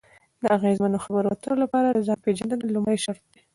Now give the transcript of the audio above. د اغیزمنو خبرو اترو لپاره ځان پېژندنه لومړی شرط دی.